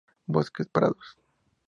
Bosques, prados.